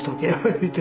言うて。